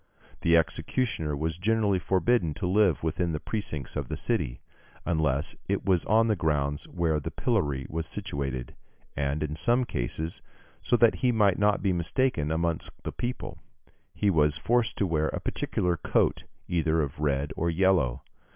The executioner was generally forbidden to live within the precincts of the city, unless it was on the grounds where the pillory was situated; and, in some cases, so that he might not be mistaken amongst the people, he was forced to wear a particular coat, either of red or yellow.